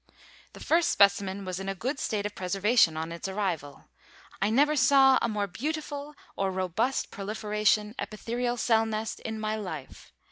The first specimen was in a good state of preservation on its arrival. I never saw a more beautiful or robust proliferation epitherial cell nest in my life.